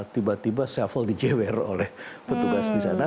tiba tiba seville dijeber oleh petugas di sana